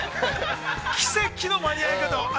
◆奇跡の間に合い方を。